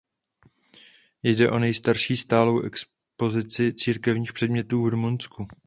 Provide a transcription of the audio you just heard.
Jde o nejstarší stálou expozici církevních předmětů v Rumunsku.